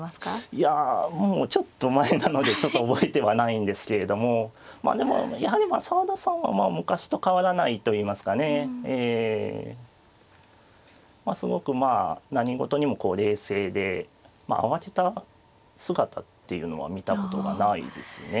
いやもうちょっと前なのでちょっと覚えてはないんですけれどもでもやはり澤田さんは昔と変わらないといいますかねえすごくまあ何事にも冷静で慌てた姿っていうのは見たことがないですね。